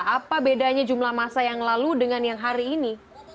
apa bedanya jumlah masa yang lalu dengan yang hari ini